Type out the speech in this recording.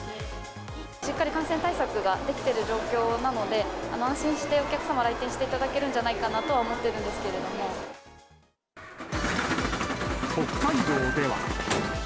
しっかり感染対策ができてる状況なので、安心してお客様来店していただけるんじゃないかなとは思っている北海道では。